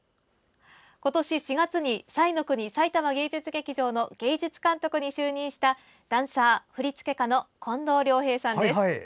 今年４月に彩の国さいたま芸術劇場の芸術監督に就任したダンサー、振付家の近藤良平さんです。